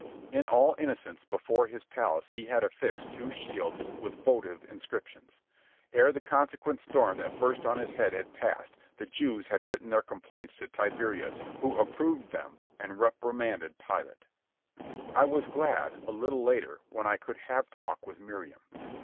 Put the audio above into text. In all innocence before his palace he had affixed two shields with votive inscriptions. Ere the consequent storm that burst on his head had passed the Jews had written their complaints to Tiberius, who approved them and reprimanded Pilate. I was glad, a little later, when I could have talk with Miriam.